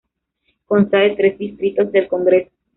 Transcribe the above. Consta de tres distritos del congreso.